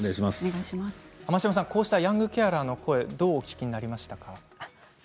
濱島さん、こうしたヤングケアラーの声どうお聞きになりましたか。